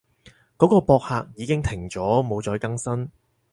嗰個博客已經停咗，冇再更新